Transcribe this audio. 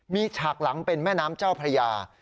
มีฉากหลังเป็นแม่น้ำเจ้าพระยา